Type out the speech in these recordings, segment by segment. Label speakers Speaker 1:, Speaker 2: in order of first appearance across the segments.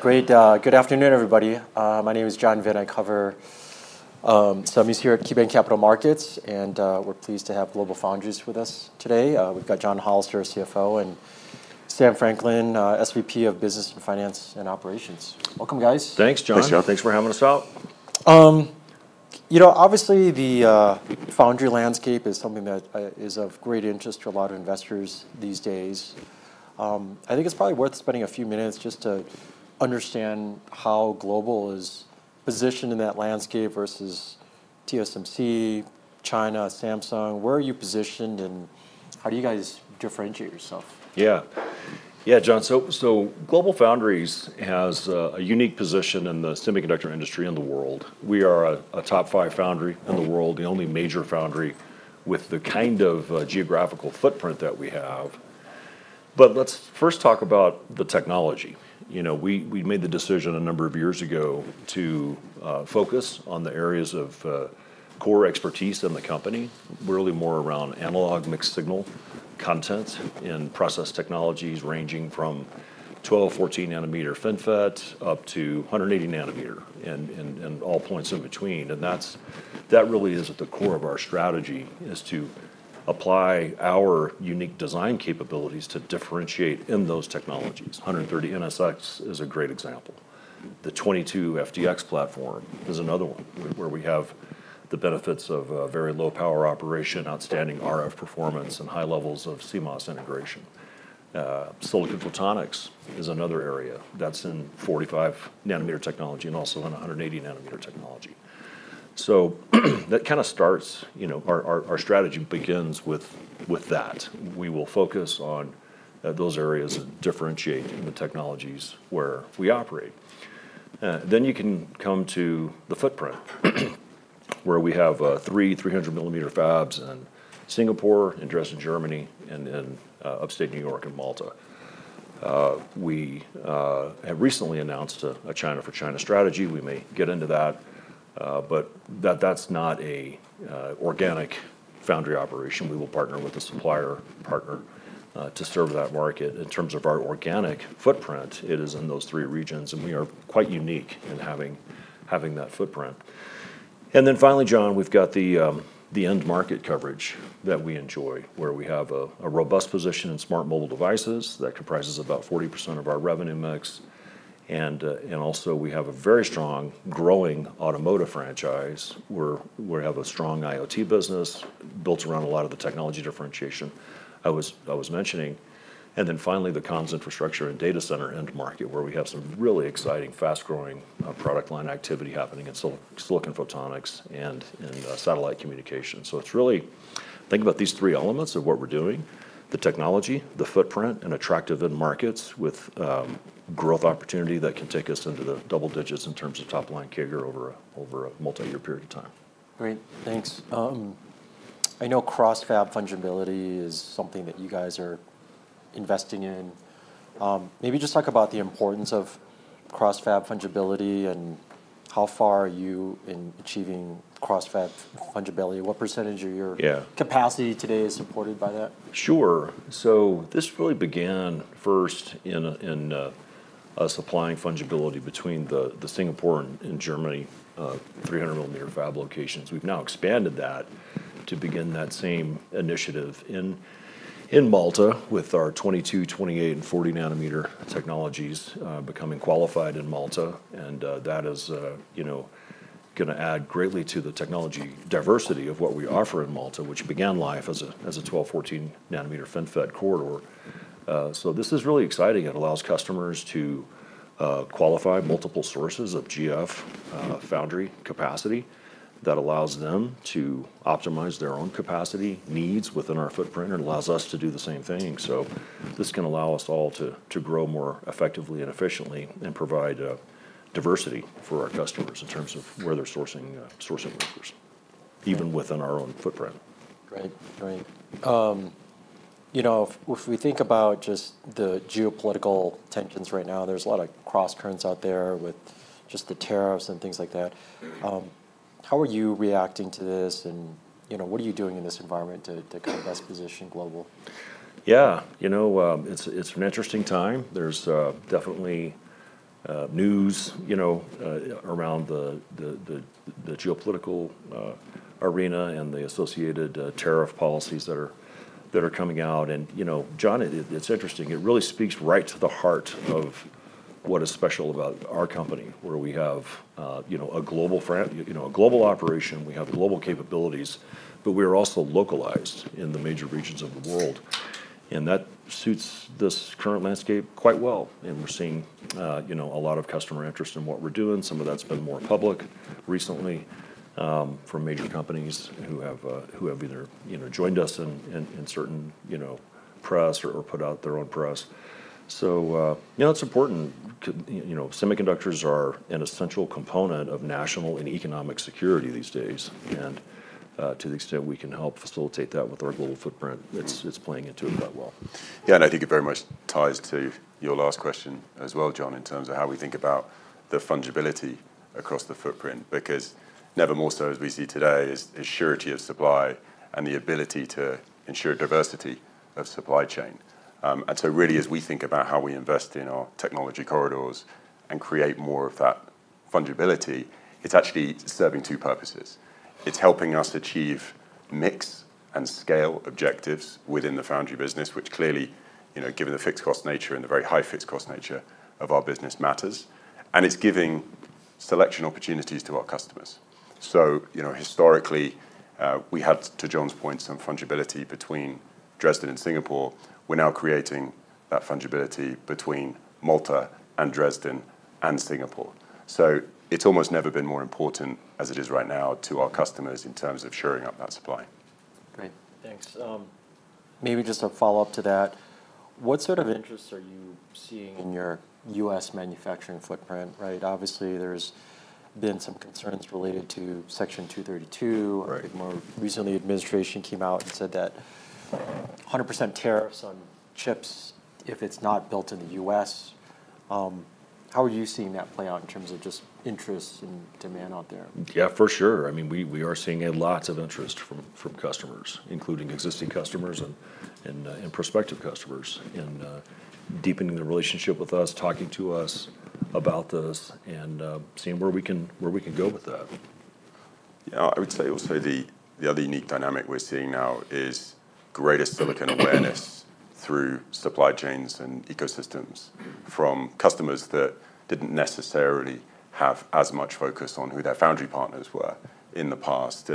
Speaker 1: Great, good afternoon, everybody. My name is John Vitt, and I cover some news here at Cuban Capital Markets. We're pleased to have GlobalFoundries with us today. We've got John Hollister, Chief Financial Officer, and Sam Franklin, Senior Vice President of Business, Finance, and Operations. Welcome, guys.
Speaker 2: Thanks, John.
Speaker 3: Thanks for having us out.
Speaker 1: You know, obviously, the foundry landscape is something that is of great interest to a lot of investors these days. I think it's probably worth spending a few minutes just to understand how GlobalFoundries is positioned in that landscape versus TSMC, China, Samsung. Where are you positioned? How do you guys differentiate yourself?
Speaker 2: Yeah, John. GlobalFoundries has a unique position in the semiconductor industry in the world. We are a top five foundry in the world, the only major foundry with the kind of geographical footprint that we have. Let's first talk about the technology. We made the decision a number of years ago to focus on the areas of core expertise in the company, really more around analog mixed-signal content and process technologies ranging from 12 nm-14nm FinFET up to 180nm and all points in between. That really is at the core of our strategy, to apply our unique design capabilities to differentiate in those technologies. 130BCDLite Gen2 is a great example. The 22FDX platform is another one where we have the benefits of very low power operation, outstanding RF performance, and high levels of CMOS integration. Silicon Photonics is another area that's in 45nm technology and also in 180nm technology. That kind of starts our strategy. We will focus on those areas and differentiate in the technologies where we operate. You can come to the footprint, where we have three 300mm fabs in Singapore, in Dresden, Germany, and in upstate New York in Malta. We have recently announced a China for China strategy. We may get into that. That's not an organic foundry operation. We will partner with a supplier partner to serve that market. In terms of our organic footprint, it is in those three regions. We are quite unique in having that footprint. Finally, John, we've got the end market coverage that we enjoy, where we have a robust position in smart mobile devices that comprises about 40% of our revenue mix. We also have a very strong, growing automotive franchise, where we have a strong IoT business built around a lot of the technology differentiation I was mentioning. Finally, the communications infrastructure/data center end market, where we have some really exciting, fast-growing product line activity happening in Silicon Photonics and in satellite communications. Think about these three elements of what we're doing: the technology, the footprint, and attractive end markets with growth opportunity that can take us into the double digits in terms of top line carrier over a multi-year period of time.
Speaker 1: Great, thanks. I know cross-fab fungibility is something that you guys are investing in. Maybe just talk about the importance of cross-fab fungibility and how far are you in achieving cross-fab fungibility. What percentage of your capacity today is supported by that?
Speaker 2: Sure. This really began first in supplying fungibility between the Singapore and Germany 300mm fab locations. We've now expanded that to begin that same initiative in Malta with our 22nm, 28nm, and 40nm technologies becoming qualified in Malta. That is going to add greatly to the technology diversity of what we offer in Malta, which began life as a 12nm-14nm FinFET corridor. This is really exciting. It allows customers to qualify multiple sources of GF foundry capacity that allows them to optimize their own capacity needs within our footprint and allows us to do the same thing. This can allow us all to grow more effectively and efficiently and provide diversity for our customers in terms of where they're sourcing wafers, even within our own footprint.
Speaker 1: Great, great. If we think about just the geopolitical tensions right now, there's a lot of cross-trends out there with just the tariffs and things like that. How are you reacting to this? What are you doing in this environment to kind of best position Global?
Speaker 2: Yeah, you know, it's an interesting time. There's definitely news around the geopolitical arena and the associated tariff policies that are coming out. You know, John, it's interesting. It really speaks right to the heart of what is special about our company, where we have a global front, a global operation. We have global capabilities, but we are also localized in the major regions of the world. That suits this current landscape quite well. We're seeing a lot of customer interest in what we're doing. Some of that's been more public recently from major companies who have either joined us in certain press or put out their own press. Now it's important to, you know, semiconductors are an essential component of national and economic security these days. To the extent we can help facilitate that with our global footprint, it's playing into it that well.
Speaker 3: Yeah, and I think it very much ties to your last question as well, John, in terms of how we think about the fungibility across the footprint. Never more so as we see today is surety of supply and the ability to ensure diversity of supply chain. As we think about how we invest in our technology corridors and create more of that fungibility, it's actually serving two purposes. It's helping us achieve mix and scale objectives within the foundry business, which clearly, given the fixed cost nature and the very high fixed cost nature of our business, matters. It's giving selection opportunities to our customers. Historically, we had, to John's point, some fungibility between Dresden and Singapore. We're now creating that fungibility between Malta and Dresden and Singapore. It's almost never been more important as it is right now to our customers in terms of shoring up that supply.
Speaker 1: Great, thanks. Maybe just a follow-up to that. What sort of interests are you seeing in your U.S. manufacturing footprint? Obviously, there's been some concerns related to Section 232. More recently, the administration came out and said that 100% tariffs on chips, if it's not built in the U.S. How are you seeing that play out in terms of just interest and demand out there?
Speaker 2: Yeah, for sure. I mean, we are seeing lots of interest from customers, including existing customers and prospective customers, in deepening the relationship with us, talking to us about this, and seeing where we can go with that.
Speaker 3: Yeah, I would say the other unique dynamic we're seeing now is greater silicon awareness through supply chains and ecosystems from customers that didn't necessarily have as much focus on who their foundry partners were in the past.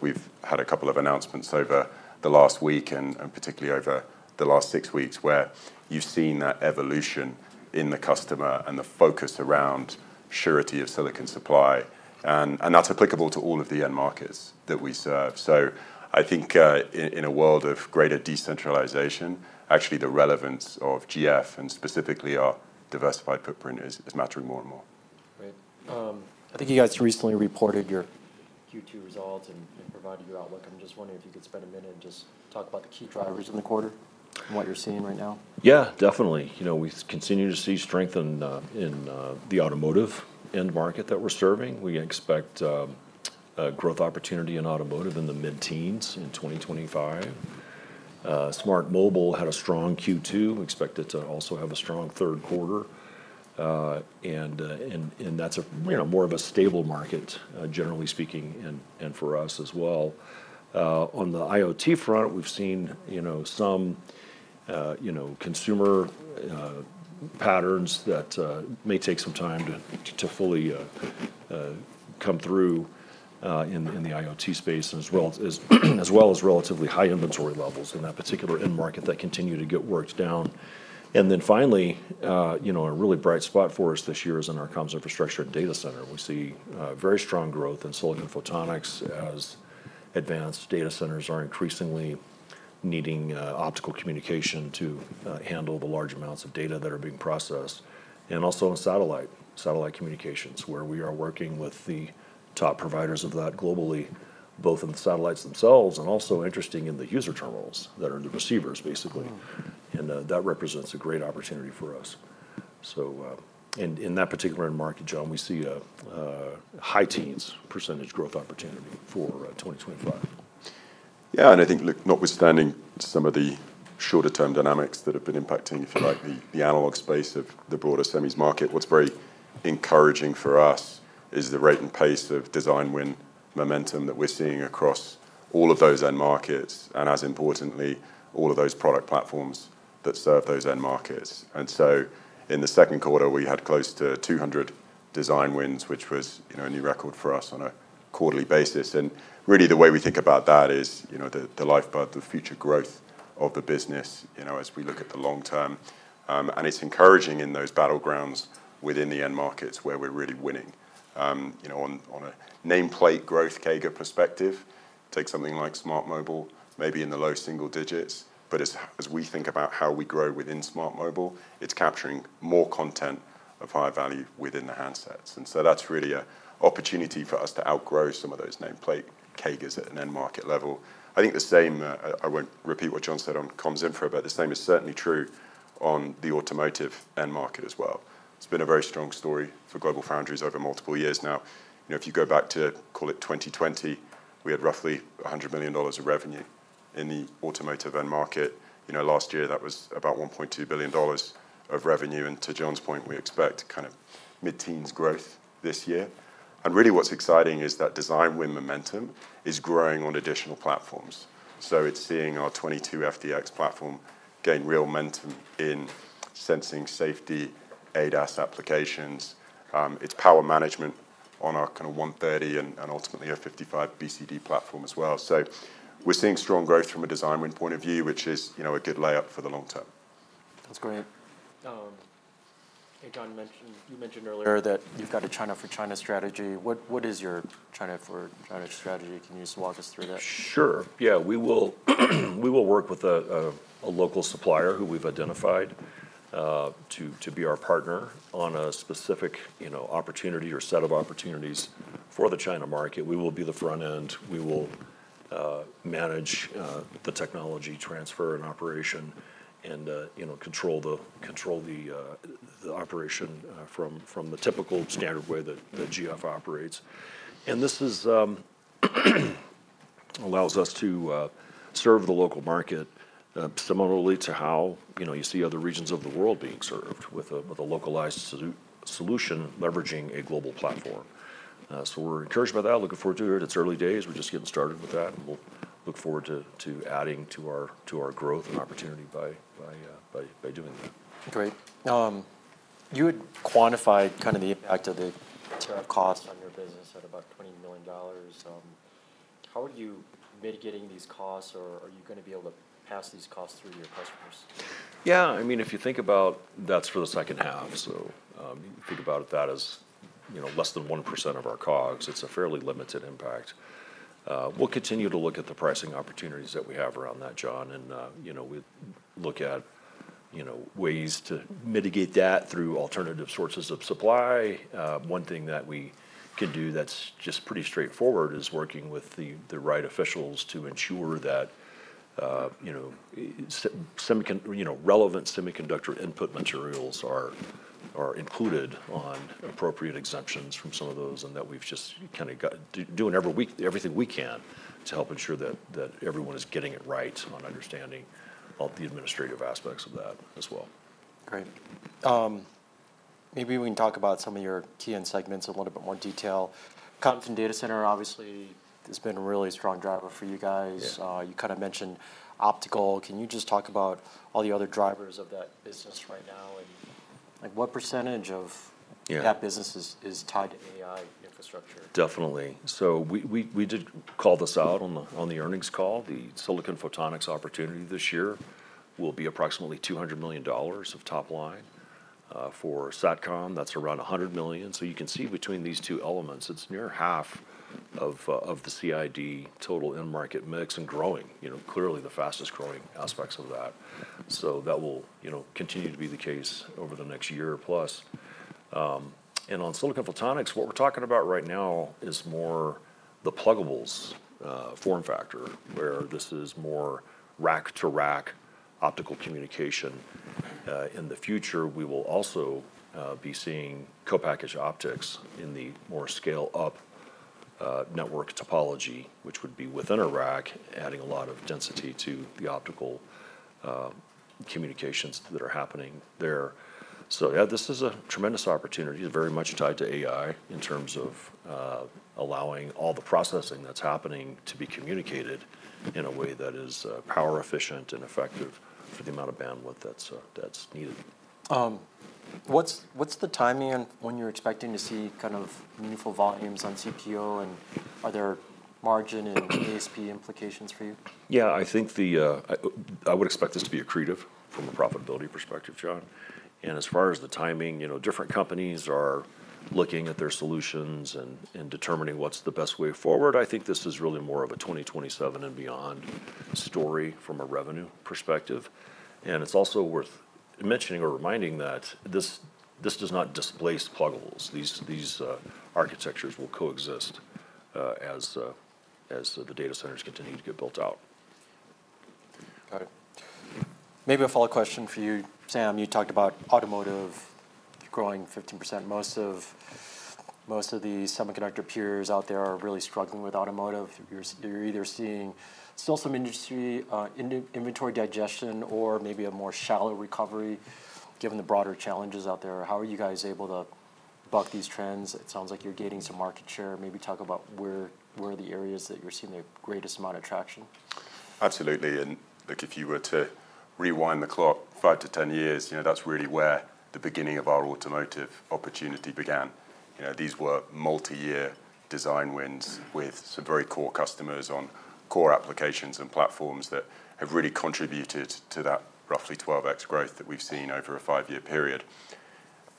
Speaker 3: We've had a couple of announcements over the last week and particularly over the last six weeks where you've seen that evolution in the customer and the focus around surety of silicon supply. That's applicable to all of the end markets that we serve. I think in a world of greater decentralization, actually the relevance of GF and specifically our diversified footprint is mattering more and more.
Speaker 1: Great. I think you guys recently reported your Q2 results and provided your outlook. I'm just wondering if you could spend a minute and talk about the key drivers in the quarter and what you're seeing right now.
Speaker 2: Yeah, definitely. We continue to see strength in the automotive end market that we're serving. We expect a growth opportunity in automotive in the mid-teens in 2025. Smart mobile had a strong Q2. We expect it to also have a strong third quarter. That's more of a stable market, generally speaking, and for us as well. On the IoT front, we've seen some consumer patterns that may take some time to fully come through in the IoT space, as well as relatively high inventory levels in that particular end market that continue to get worked down. Finally, a really bright spot for us this year is in our communications infrastructure/data center. We see very strong growth in Silicon Photonics as advanced data centers are increasingly needing optical communication to handle the large amounts of data that are being processed. Also in satellite communications, we are working with the top providers of that globally, both in the satellites themselves and also interestingly in the user terminals that are the receivers, basically. That represents a great opportunity for us. In that particular end market, John, we see a high teens percentage growth opportunity for 2025.
Speaker 3: Yeah, I think notwithstanding some of the shorter-term dynamics that have been impacting you for the analog space of the broader semis market, what's very encouraging for us is the rate and pace of design win momentum that we're seeing across all of those end markets and, as importantly, all of those product platforms that serve those end markets. In the second quarter, we had close to 200 design wins, which was a new record for us on a quarterly basis. The way we think about that is the lifeblood of future growth of the business as we look at the long term. It's encouraging in those battlegrounds within the end markets where we're really winning. On a nameplate growth CAGR perspective, take something like Smart Mobile, maybe in the low single digits, but as we think about how we grow within Smart Mobile, it's capturing more content of high value within the handsets. That's really an opportunity for us to outgrow some of those nameplate CAGRs at an end market level. I think the same, I won't repeat what John said on comms infra, but the same is certainly true on the automotive end market as well. It's been a very strong story for GlobalFoundries over multiple years now. If you go back to 2020, we had roughly $100 million of revenue in the automotive end market. Last year, that was about $1.2 billion of revenue. To John's point, we expect kind of mid-teens growth this year. What's exciting is that design win momentum is growing on additional platforms. It's seeing our 22 FDX platform gain real momentum in sensing safety, ADAS applications. It's power management on our kind of 130 and ultimately a 55 BCD platform as well. We're seeing strong growth from a design win point of view, which is a good layup for the long term.
Speaker 1: That's great. Hey, John, you mentioned earlier that you've got a China for China strategy. What is your China for China strategy? Can you just walk us through that?
Speaker 2: Sure. Yeah, we will work with a local supplier who we've identified to be our partner on a specific opportunity or set of opportunities for the China market. We will be the front end. We will manage the technology transfer and operation and control the operation from the typical standard way that GF operates. This allows us to serve the local market similarly to how you see other regions of the world being served with a localized solution leveraging a global platform. We're encouraged by that. Looking forward to it. It's early days. We're just getting started with that. We'll look forward to adding to our growth and opportunity by doing that.
Speaker 1: Great. You had quantified kind of the impact of the tariff costs on your business at about $20 million. How are you mitigating these costs? Are you going to be able to pass these costs through to your customers?
Speaker 2: Yeah, I mean, if you think about that for the second half, you can think about that as less than 1% of our COGs. It's a fairly limited impact. We'll continue to look at the pricing opportunities that we have around that, John. We look at ways to mitigate that through alternative sources of supply. One thing that we could do that's just pretty straightforward is working with the right officials to ensure that relevant semiconductor input materials are included on appropriate exemptions from some of those. We've just got to do everything we can to help ensure that everyone is getting it right on understanding the administrative aspects of that as well.
Speaker 1: Great. Maybe we can talk about some of your TN segments in a little bit more detail. Confidence in data center, obviously, has been a really strong driver for you guys. You kind of mentioned optical. Can you just talk about all the other drivers of that business right now? Like what percentage of that business is tied to AI infrastructure?
Speaker 2: Definitely. We did call this out on the earnings call. The Silicon Photonics opportunity this year will be approximately $200 million of top line. For SatCon, that's around $100 million. You can see between these two elements, it's near half of the CID total in market mix and growing, clearly the fastest growing aspects of that. That will continue to be the case over the next year plus. On Silicon Photonics, what we're talking about right now is more the plugables form factor, where this is more rack to rack optical communication. In the future, we will also be seeing co-packaged optics in the more scale-up network topology, which would be within a rack, adding a lot of density to the optical communications that are happening there. This is a tremendous opportunity. It's very much tied to AI in terms of allowing all the processing that's happening to be communicated in a way that is power efficient and effective for the amount of bandwidth that's needed.
Speaker 1: What's the timing on when you're expecting to see kind of new full volumes on CTO? Are there margin and ASP implications for you?
Speaker 2: Yeah, I think I would expect this to be accretive from a profitability perspective, John. As far as the timing, different companies are looking at their solutions and determining what's the best way forward. I think this is really more of a 2027 and beyond story from a revenue perspective. It's also worth mentioning or reminding that this does not displace plugables. These architectures will coexist as the data centers continue to get built out.
Speaker 1: Got it. Maybe a follow-up question for you, Sam. You talked about automotive growing 15%. Most of the semiconductor peers out there are really struggling with automotive. You're either seeing still some industry inventory digestion or maybe a more shallow recovery given the broader challenges out there. How are you guys able to buck these trends? It sounds like you're gaining some market share. Maybe talk about where the areas that you're seeing the greatest amount of traction.
Speaker 3: Absolutely. If you were to rewind the clock five to 10 years, that's really where the beginning of our automotive opportunity began. These were multi-year design wins with some very core customers on core applications and platforms that have really contributed to that roughly 12x growth that we've seen over a five-year period.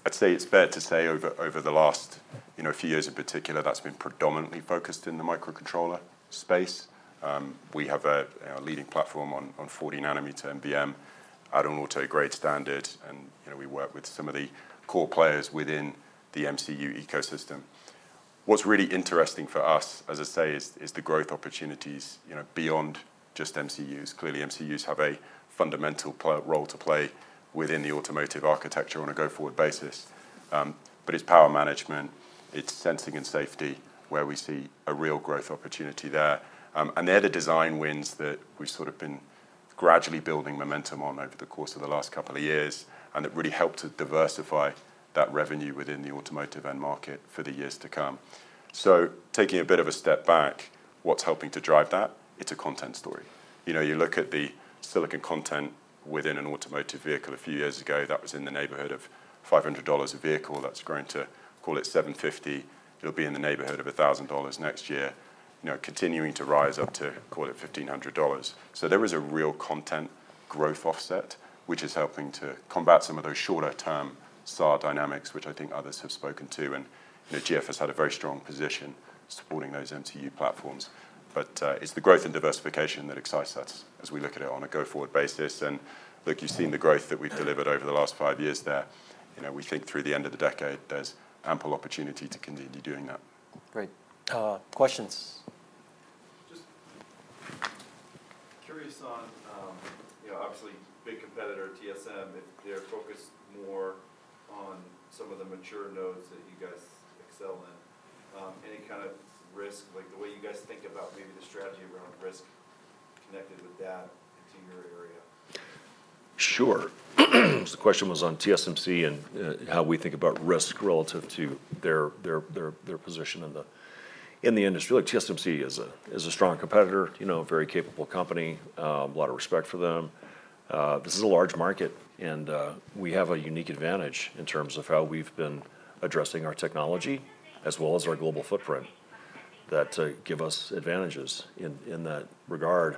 Speaker 3: I'd say it's fair to say over the last few years in particular, that's been predominantly focused in the microcontroller space. We have a leading platform on 40 nanometer MDM at an auto-grade standard, and we work with some of the core players within the MCU ecosystem. What's really interesting for us, as I say, is the growth opportunities beyond just MCUs. Clearly, MCUs have a fundamental role to play within the automotive architecture on a go-forward basis. It is power management, sensing, and safety where we see a real growth opportunity there. They're the design wins that we've sort of been gradually building momentum on over the course of the last couple of years. It really helped to diversify that revenue within the automotive end market for the years to come. Taking a bit of a step back, what's helping to drive that? It's a content story. You look at the silicon content within an automotive vehicle a few years ago, that was in the neighborhood of $500 a vehicle. That's grown to, call it, $750. It'll be in the neighborhood of $1,000 next year, continuing to rise up to, call it, $1,500. There is a real content growth offset, which is helping to combat some of those shorter-term SAR dynamics, which I think others have spoken to. GF has had a very strong position supporting those MCU platforms. It is the growth and diversification that excites us as we look at it on a go-forward basis. You've seen the growth that we've delivered over the last five years there. We think through the end of the decade, there's ample opportunity to continue doing that.
Speaker 1: Great. Questions. Just curious, you know, obviously a big competitor, TSMC, if they're focused more on some of the mature nodes that you guys excel in. Any kind of risk, like the way you guys think about maybe the strategy around risk connected?
Speaker 2: Sure. The question was on TSMC and how we think about risk relative to their position in the industry. TSMC is a strong competitor, a very capable company, a lot of respect for them. This is a large market, and we have a unique advantage in terms of how we've been addressing our technology as well as our global footprint that give us advantages in that regard.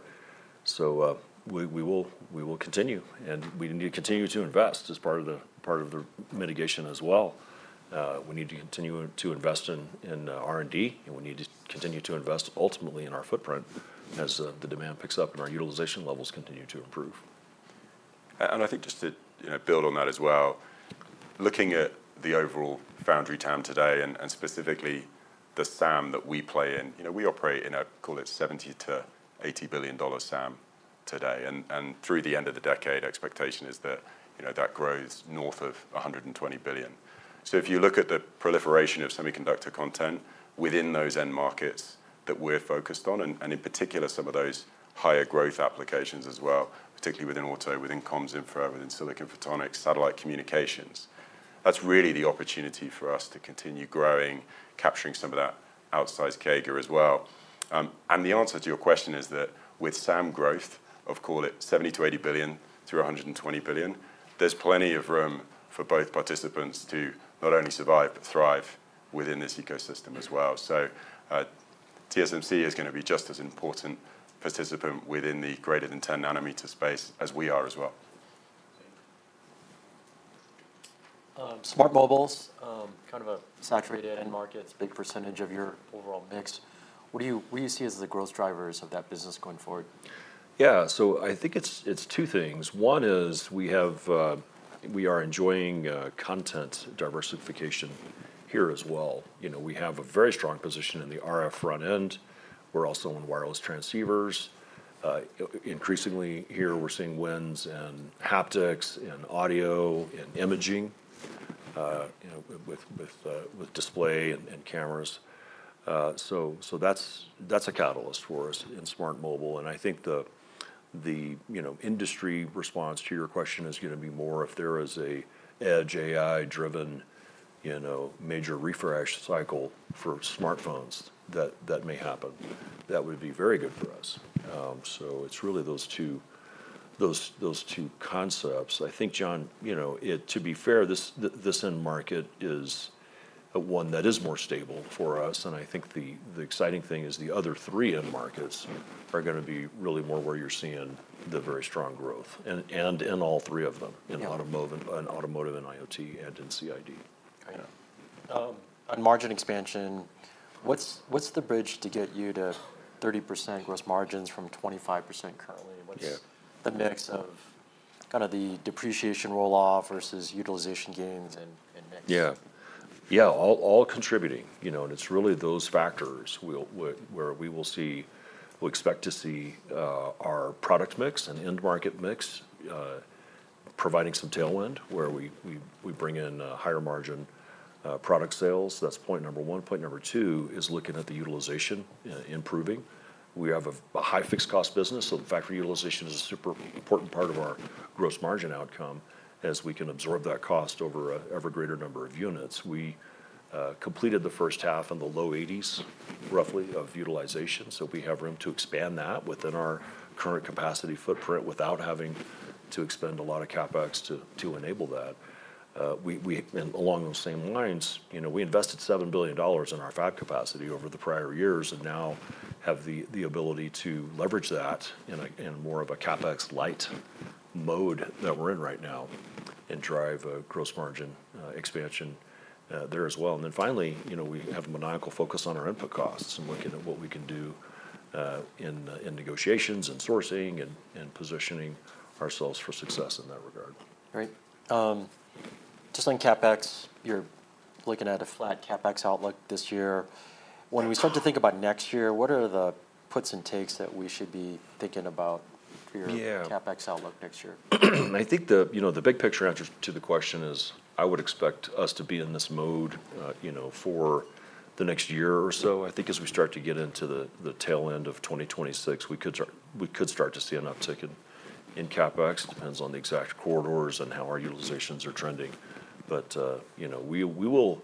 Speaker 2: We will continue and we need to continue to invest as part of the mitigation as well. We need to continue to invest in R&D, and we need to continue to invest ultimately in our footprint as the demand picks up and our utilization levels continue to improve.
Speaker 3: I think just to build on that as well, looking at the overall foundry time today and specifically the SAM that we play in, you know, we operate in a, call it, $70 million-$80 billion SAM today. Through the end of the decade, expectation is that, you know, that grows north of $120 billion. If you look at the proliferation of semiconductor content within those end markets that we're focused on, and in particular some of those higher growth applications as well, particularly within auto, within comms infra, within silicon photonics, satellite communications, that's really the opportunity for us to continue growing, capturing some of that outsized CAGR as well. The answer to your question is that with SAM growth of, call it, $70 billion-$80 billion to $120 billion, there's plenty of room for both participants to not only survive but thrive within this ecosystem as well. TSMC is going to be just as an important participant within the greater than 10nm space as we are as well.
Speaker 1: Smart mobiles, kind of a saturated end market, a big percentage of your overall mix. What do you see as the growth drivers of that business going forward?
Speaker 2: Yeah, so I think it's two things. One is we are enjoying content diversification here as well. We have a very strong position in the RF front end. We're also in wireless transceivers. Increasingly here, we're seeing wins in haptics and audio and imaging, with display and cameras. That's a catalyst for us in smart mobile. I think the industry response to your question is going to be more if there is an edge AI-driven major refresh cycle for smartphones that may happen. That would be very good for us. It's really those two concepts. I think, John, to be fair, this end market is one that is more stable for us. The exciting thing is the other three end markets are going to be really more where you're seeing the very strong growth and in all three of them, in automotive and IoT and in CID.
Speaker 1: Got it. On margin expansion, what's the bridge to get you to 30% gross margins from 25% currently? What's the mix of kind of the depreciation rolloff versus utilization gains?
Speaker 2: Yeah, yeah, all contributing, you know, and it's really those factors where we will see, we'll expect to see our product mix and end market mix providing some tailwind where we bring in a higher margin product sales. That's point number one. Point number two is looking at the utilization improving. We have a high fixed cost business, so the factory utilization is a super important part of our gross margin outcome as we can absorb that cost over an ever greater number of units. We completed the first half in the low 80%, roughly, of utilization, so we have room to expand that within our current capacity footprint without having to expend a lot of CapEx to enable that. Along those same lines, you know, we invested $7 billion in our fab capacity over the prior years and now have the ability to leverage that in more of a CapEx light mode that we're in right now and drive a gross margin expansion there as well. Finally, you know, we have a maniacal focus on our input costs and looking at what we can do in negotiations and sourcing and positioning ourselves for success in that regard.
Speaker 1: Great. Just on CapEx, you're looking at a flat CapEx outlook this year. When we start to think about next year, what are the puts and takes that we should be thinking about for your CapEx outlook next year?
Speaker 2: I think the big picture answer to the question is I would expect us to be in this mode for the next year or so. I think as we start to get into the tail end of 2026, we could start to see an uptick in CapEx. It depends on the exact corridors and how our utilizations are trending. We will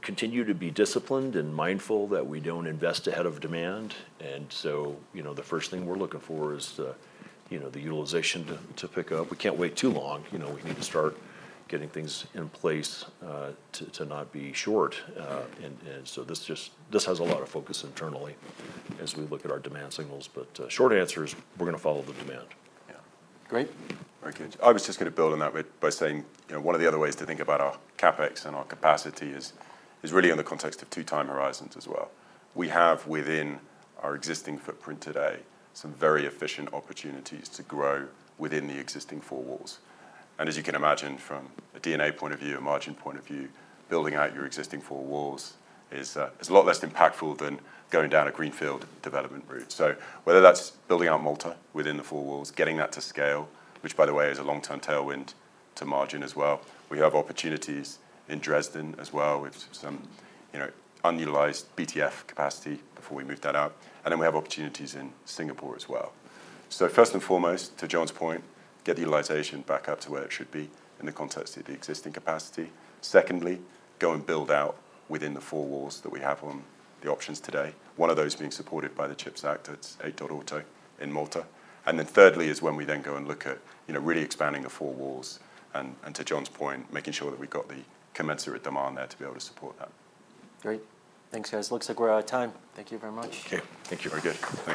Speaker 2: continue to be disciplined and mindful that we don't invest ahead of demand. The first thing we're looking for is the utilization to pick up. We can't wait too long. We need to start getting things in place to not be short. This just has a lot of focus internally as we look at our demand signals. Short answer is we're going to follow the demand. Yeah.
Speaker 1: Great.
Speaker 3: I was just going to build on that by saying, you know, one of the other ways to think about our CapEx and our capacity is really in the context of two time horizons as well. We have within our existing footprint today some very efficient opportunities to grow within the existing four walls. As you can imagine, from a DNA point of view, a margin point of view, building out your existing four walls is a lot less impactful than going down a greenfield development route. Whether that's building out Malta within the four walls, getting that to scale, which by the way is a long-term tailwind to margin as well, we have opportunities in Dresden as well with some unutilized BTF capacity before we move that out. We have opportunities in Singapore as well. First and foremost, to John's point, get the utilization back up to where it should be in the context of the existing capacity. Secondly, go and build out within the four walls that we have on the options today. One of those being supported by the CHIPS Act, that's AITOD AUTO in Malta. Thirdly is when we then go and look at really expanding the four walls. To John's point, making sure that we've got the commensurate demand there to be able to support that.
Speaker 1: Great. Thanks, guys. Looks like we're out of time. Thank you very much.
Speaker 3: Thank you. Thank you, very good.